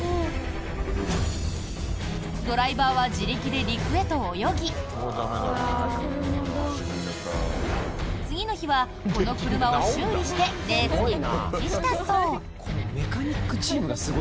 ドライバーは自力で陸へと泳ぎ次の日は、この車を修理してレースに復帰したそう。